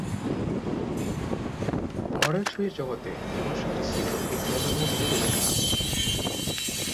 Model show এর জগতে এই অনুষ্ঠানটি ছিলো একটি অন্যতম বৃহৎ অনুষ্ঠান।